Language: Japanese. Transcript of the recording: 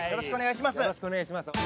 よろしくお願いします。